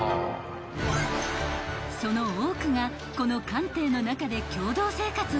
［その多くがこの艦艇の中で共同生活をしているんです］